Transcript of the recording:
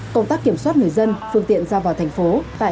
công tác kiểm soát người dân phương tiện ra vào thành phố